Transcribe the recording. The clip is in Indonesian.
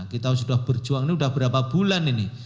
kita sudah berjuang ini sudah berapa bulan ini